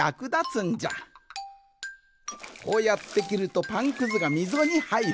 こうやってきるとパンくずがみぞにはいる。